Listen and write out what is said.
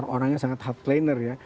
orangnya sangat hardliner ya